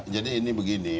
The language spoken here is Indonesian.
jadi ini begini